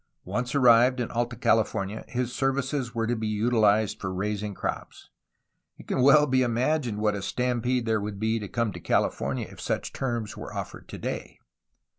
Once arrived in Alta California his services were to be utilized for raising crops. It can well be imagined what a stampede there would be to come to California if such terms were offered today.